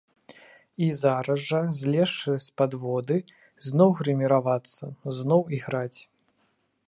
І зараз жа, злезшы з падводы, зноў грыміравацца, зноў іграць.